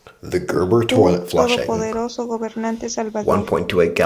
Tú, todopoderoso gobernante, Salvador!